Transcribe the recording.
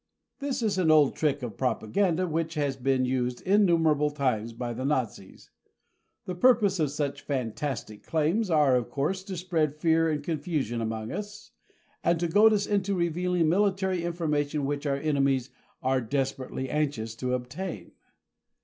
This is an old trick of propaganda which has been used innumerable times by the Nazis. The purposes of such fantastic claims are, of course, to spread fear and confusion among us, and to goad us into revealing military information which our enemies are desperately anxious to obtain.